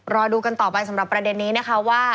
รอดูกันต่อไปสำหรับประเด็นนี้นะคะว่า